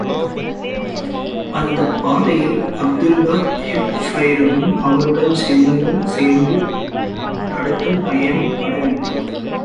அந்தப் பாதையில் Abdullah ibn ஸுபைரும், அவருடன் சிலரும் சேர்ந்து தடுத்தும் பயன்படவில்லை.